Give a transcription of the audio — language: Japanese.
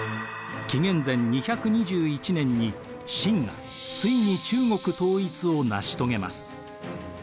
紀元前２２１年に秦がついに中国統一を成し遂げます。